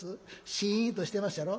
シーンとしてまっしゃろ。